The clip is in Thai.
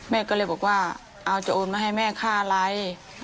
แม่ก็เลยบอกว่าเอาจะโอนมาให้แม่ค่าอะไร